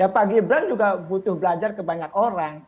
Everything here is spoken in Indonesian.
pak gibran juga butuh belajar ke banyak orang